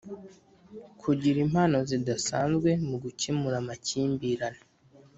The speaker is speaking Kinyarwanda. Kugira impano zidasanzwe mugukemura amakimbirane